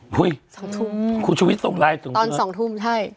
ภูชมิตส่งไว้สุดตอนสองทุ่มใช่